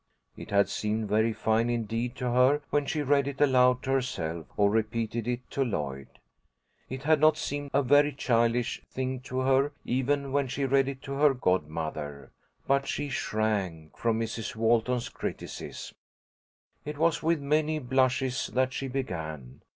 It had seemed very fine indeed to her when she read it aloud to herself, or repeated it to Lloyd. It had not seemed a very childish thing to her even when she read it to her godmother. But she shrank from Mrs. Walton's criticism. It was with many blushes that she began.